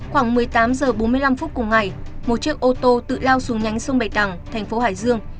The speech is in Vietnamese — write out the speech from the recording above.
khoảng một mươi tám h bốn mươi năm cùng ngày một chiếc ô tô tự lao xuống nhánh sông bạch đằng tp hải dương